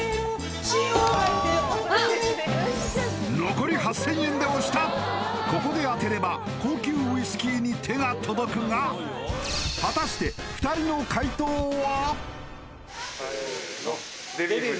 残り８０００円で押したここで当てれば高級ウイスキーに手が届くが果たして２人の解答は？